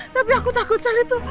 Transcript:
tapi aku takut saya itu